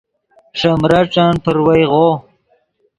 ݰے مریݯن پروئیغو